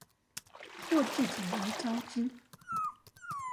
或置酒而招之